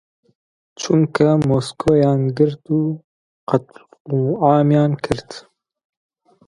چونکە مۆسکۆیان گرت و قەتڵ و عامیان کرد.